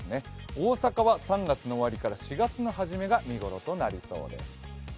大阪は３月の終わりから４月の初めが見頃となりそうです。